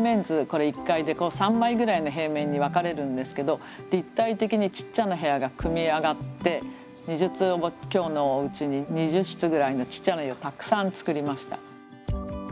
これ１階で３枚ぐらいの平面に分かれるんですけど立体的にちっちゃな部屋が組み上がって２０坪強のおうちに２０室ぐらいのちっちゃな部屋をたくさん作りました。